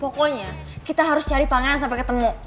pokoknya kita harus cari pangeran sampe ketemu